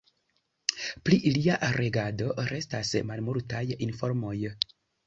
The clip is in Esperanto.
Pri lia regado restas malmultaj informoj.